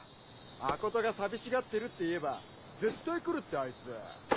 真琴が寂しがってるって言えば絶対来るってあいつ。